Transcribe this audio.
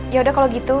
yaudah kalau gitu